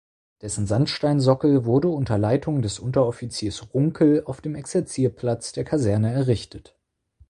Dessen Sandsteinsockel wurde unter Leitung des Unteroffiziers Runkel auf dem Exerzierplatz der Kaserne errichtet.